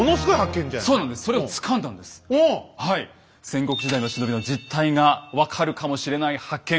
戦国時代の忍びの実態が分かるかもしれない発見。